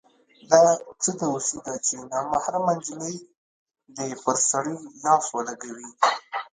دا څه دوسي ده چې نامحرمه نجلۍ دې پر سړي لاس ولګوي.